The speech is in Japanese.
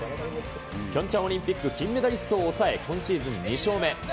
ピョンチャンオリンピック金メダリストを押さえ、今シーズン２勝目。